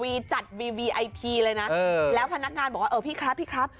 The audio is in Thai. จัดวีวีไอพีเลยนะแล้วพนักงานบอกว่าเออพี่ครับพี่ครับ